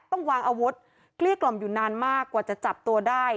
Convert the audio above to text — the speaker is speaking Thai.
ต้องวางอาวุธเกลี้ยกล่อมอยู่นานมากกว่าจะจับตัวได้